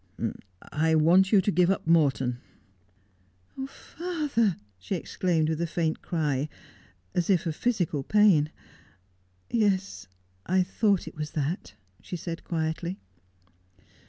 ' 1 want you to give up Morton.' ' Father !' she exclaimed with a faint cry, as if of physical pain. 'Yes, I thought it was that,' she said quietly.